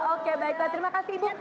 oke baiklah terima kasih ibu